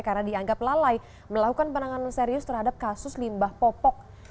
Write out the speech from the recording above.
karena dianggap lalai melakukan penanganan serius terhadap kasus limbah popok